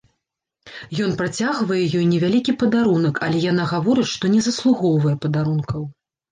Ён працягвае ёй невялікі падарунак, але яна гаворыць, што не заслугоўвае падарункаў.